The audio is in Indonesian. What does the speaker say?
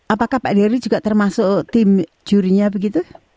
apakah pak derry juga termasuk tim jurinya begitu